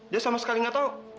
dia sama sekali gak tau